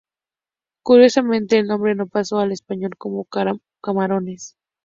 Curiosamente, el nombre no pasó al español como "Camarones".